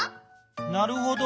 なるほど。